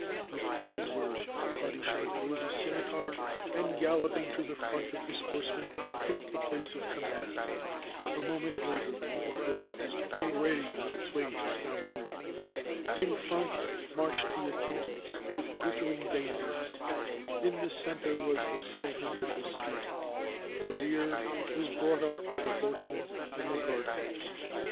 With these words the padishah drew his scimitar, and, galloping to the front of his horsemen, took the place of command. A moment later the little host was already 521 TURKEY on its way to Stamboul. In front marched the akinjis with ghttering bayonets; in the center was the sultan with his suite; the rear was brought up by the horsemen and the gardeners.